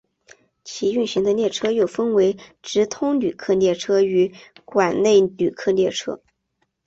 其运行的列车又分为直通旅客列车与管内旅客列车。